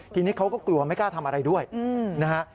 ทีนี้เขาก็กลัวไม่กล้าทำอะไรด้วยนะฮะ